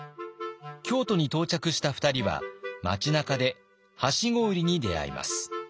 京都に到着した２人は町なかではしご売りに出会います。